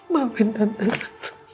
maafin tante satu